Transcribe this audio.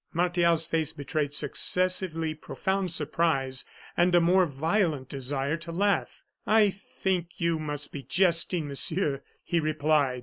Martial's face betrayed successively profound surprise, and a more violent desire to laugh. "I think you must be jesting, Monsieur," he replied.